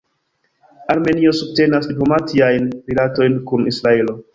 Armenio subtenas diplomatiajn rilatojn kun Israelo.